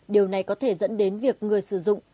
điều này có thể dẫn đến việc người sử dụng